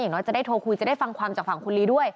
น้อยจะได้โทรคุยจะได้ฟังความจากฝั่งคุณลีด้วย